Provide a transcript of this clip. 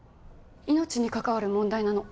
命に関わる問題なの。